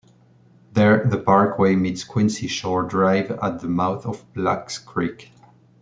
There the parkway meets Quincy Shore Drive at the mouth of Blacks Creek.